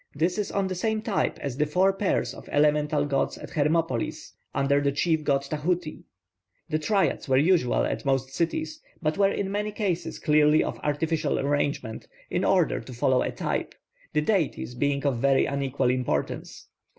This is on the same type as the four pairs of elemental gods at Hermopolis under the chief god Tahuti. The triads were usual at most cities, but were in many cases clearly of artificial arrangement, in order to follow a type, the deities being of very unequal importance.